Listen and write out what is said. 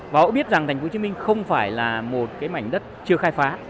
và họ biết rằng thành phố hồ chí minh không phải là một mảnh đất chưa khai phá